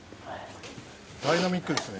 ダイナミックですね。